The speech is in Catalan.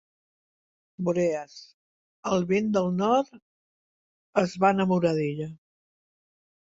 Boreas, el vent del nord, es va enamorar d'ella.